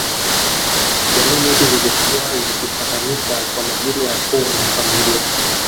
Jamii nyingi zilikuwa zikifahamika kwa majina ya Koo na familia